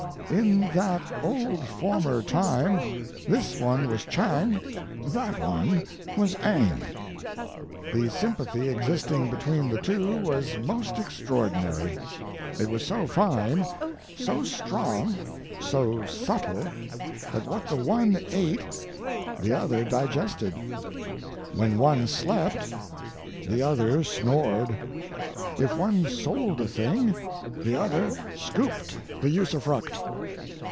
In that old former time this one was Chang, that one was Eng. The sympathy existing between the two was most extraordinary; it was so fine, so strong, so subtle, that what the one ate the other digested; when one slept, the other snored; if one sold a thing, the other scooped the usufruct.